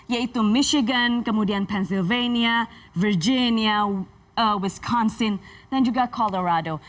yaitu michigan kemudian pennsylvania virginia wisconsin dan juga colorado